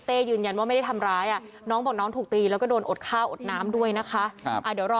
ก็คือเขาไม่ได้ตั้งแสดงมาลำโหลยังไง